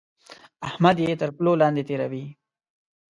احمد يې تر پلو لاندې تېروي.